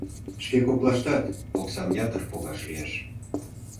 Шке коклаштат оксам ятыр погаш лиеш.